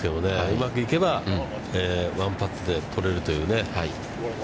うまくいけば、１パットで取れるというね。